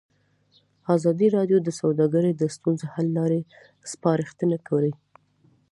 ازادي راډیو د سوداګري د ستونزو حل لارې سپارښتنې کړي.